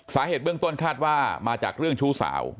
สาเหตุเบื้องต้นคาดว่ามาจากเรื่องชู้สาว